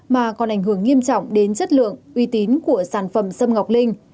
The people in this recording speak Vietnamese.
mà còn ảnh hưởng nghiêm trọng đến chất lượng uy tín của sản phẩm xâm ngọc linh